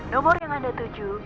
nomor yang anda tujuh